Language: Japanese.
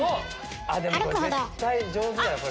でもこれ絶対上手だよ。